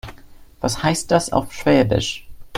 Was heißt das auf Schwäbisch?